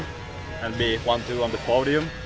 dan menjadi satu dua di podium